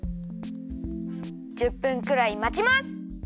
１０分くらいまちます。